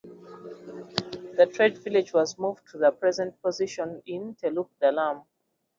The trade village was moved to the present position in Teluk Dalam.